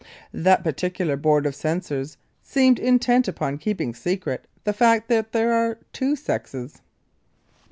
That particular board of censors seemed intent upon keeping secret the fact that there are two sexes.